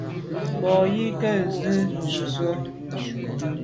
Bo yi nke nzwe zwe’.